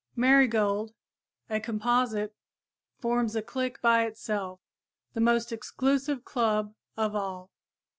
Marigold, a composite, forms a clique by itself, the most exclusive club of all.